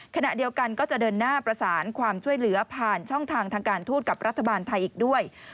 ขณะเดียวกันก็จะเดินหน้าประสานความช่วยเหลือผ่านช่องทางทางการทูตกับรัฐบาลไทยอีกด้วย